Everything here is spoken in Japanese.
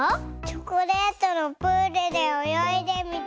チョコレートのプールでおよいでみたい。